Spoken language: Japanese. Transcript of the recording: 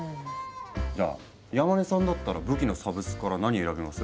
じゃあ山根さんだったら武器のサブスクから何選びます？